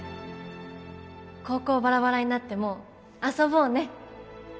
高校バラバラになっても遊ぼうね。